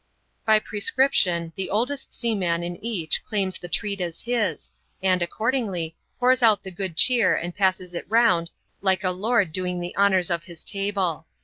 By prescription, the oldest seaman in each claims the treat as hiSy and, accordingly, pours out the good cheer and passes it round like a lord doing the honours of his table.